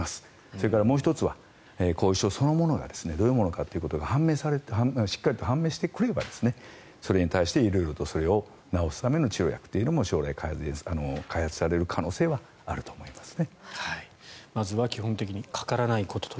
それから、もう１つは後遺症そのものがどういうものかしっかり判明してくれればそれに対して色々とそれを治すための治療薬というのも将来、開発される可能性はあると思います。